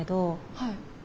はい。